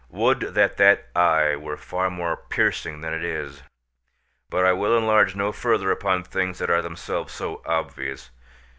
Would that that eye were far more piercing than it is. "But I will enlarge no further upon things that are themselves so obvious.